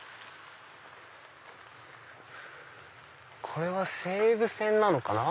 これは西武線なのかな。